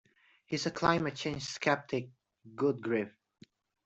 He is a climate change sceptic. Good grief!